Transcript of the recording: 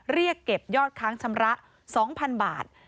เรียกเก็บยอดค้างชำระ๒๐๐๐บาท